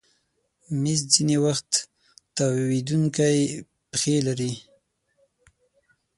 مېز ځینې وخت تاوېدونکی پښې لري.